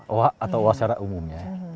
owa atau owa secara umumnya